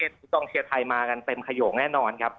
กองเชียร์ไทยมากันเต็มขยกแน่นอนครับ